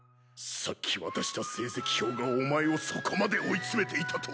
さっき渡した成績表がお前をそこまで追い詰めていたとは。